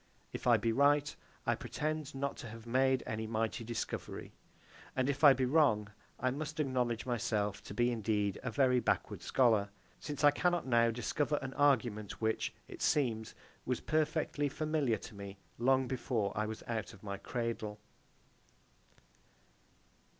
If I be right, I pretend not to have made any mighty discovery. And if I be wrong, I must acknowledge myself to be indeed a very backward scholar; since I cannot now discover an argument which, it seems, was perfectly familiar to me long before I was out of my cradle.